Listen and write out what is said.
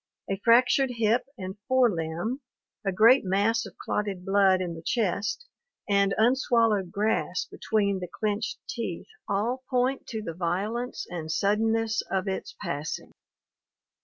A fractured hip and fore limb, a great mass of clotted blood in the chest, and unswallowed grass between the clenched teeth all point to the violence and suddenness of its passing.